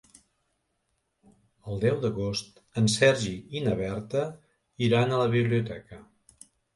El deu d'agost en Sergi i na Berta iran a la biblioteca.